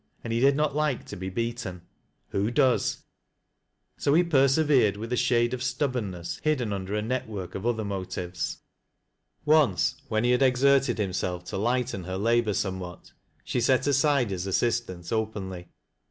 And he did not like to be beaten. Who does? Roue persevered with a shade of stubboniuesR 52 TBAT LAUS O LO WHISTS. hidden under a net work of other motives. OLce, whet lie had exerted himself to lighten her lahor sc mewhat, sht .tet 3,side his assistance openly.